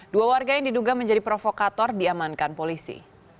dua warga yang diduga menjadi provokator diamankan polisi